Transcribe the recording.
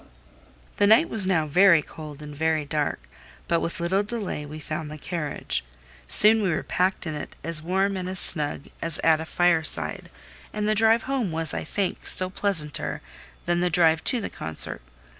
The night was now very cold and very dark, but with little delay we found the carriage. Soon we were packed in it, as warm and as snug as at a fire side; and the drive home was, I think, still pleasanter than the drive to the concert.